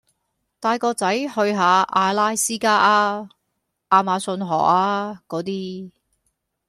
帶個仔去下阿拉斯加呀，亞馬遜河呀果啲